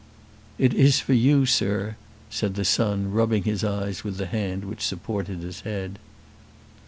"It is for you, sir," said the son, rubbing his eyes with the hand which supported his head.